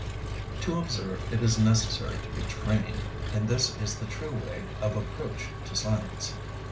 To observe it is necessary to be "trained," and this is the true way of approach to science.